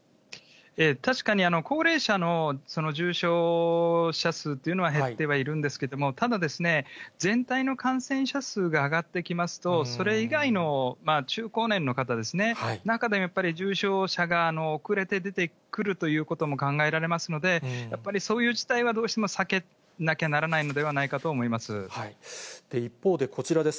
確かに高齢者の重症者数っていうのは減ってはいるんですけれども、ただですね、全体の感染者数が上がってきますと、それ以外の中高年の方ですね、中でもやっぱり重症者が遅れて出てくるということも考えられますので、やっぱりそういう事態はどうしても避けなきゃならないのではない一方でこちらです。